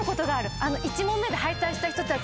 １問目で敗退した人たち。